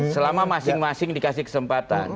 selama masing masing dikasih kesempatan